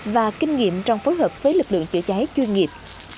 và kinh nghiệm trong phối hợp với lực lượng chữa cháy chuyên nghiệp